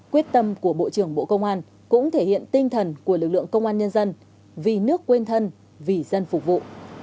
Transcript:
quyết tâm của bộ trưởng bộ công an cũng thể hiện tinh thần của lực lượng công an nhân dân vì nước quên thân vì dân phục vụ